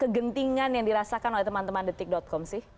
kegentingan yang dirasakan oleh teman teman detik com sih